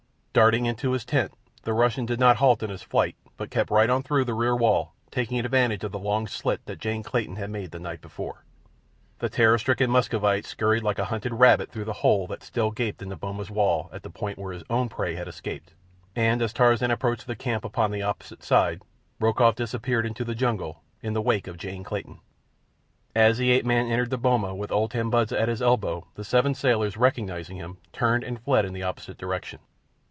Darting into his tent, the Russian did not halt in his flight, but kept right on through the rear wall, taking advantage of the long slit that Jane Clayton had made the night before. The terror stricken Muscovite scurried like a hunted rabbit through the hole that still gaped in the boma's wall at the point where his own prey had escaped, and as Tarzan approached the camp upon the opposite side Rokoff disappeared into the jungle in the wake of Jane Clayton. As the ape man entered the boma with old Tambudza at his elbow the seven sailors, recognizing him, turned and fled in the opposite direction.